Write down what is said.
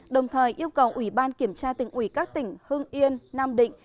đồng thời yêu cầu ủy ban kiểm tra tỉnh ủy các tỉnh hưng yên nam định